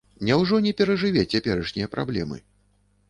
Няўжо не перажыве цяперашнія праблемы?